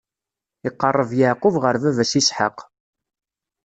Iqeṛṛeb Yeɛqub ɣer baba-s Isḥaq.